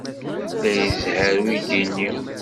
La izehher uydi-nni.